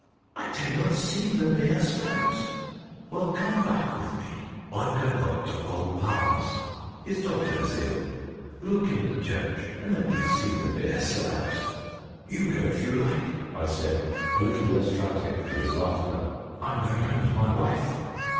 "I tell you, I've seen the bare slabs." "Well, come back with me. I'm going up to old Palmer's his daughter's ill; we'll look in at the church and let me see the bare slabs." "You go, if you like," I said, a little less frantic for his laughter; "I'm going home to my wife."